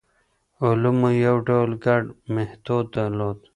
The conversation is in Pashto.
علومو یو ډول ګډ میتود درلود.